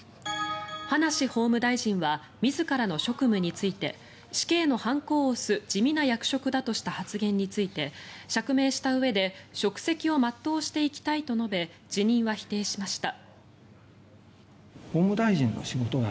葉梨法務大臣は自らの職務について死刑の判子を押す地味な役職だとした発言について釈明したうえで職責を全うしていきたいと述べ辞任は否定しました。